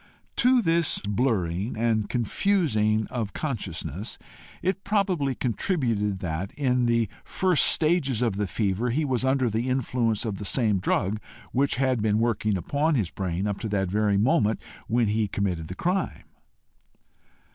To this blurring and confusing of consciousness it probably contributed, that, in the first stages of the fever, he was under the influence of the same drug which had been working upon his brain up to the very moment when he committed the crime.